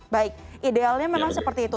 baik idealnya memang seperti itu